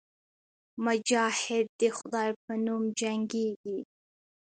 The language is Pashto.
مجاهد د خدای په نوم جنګېږي.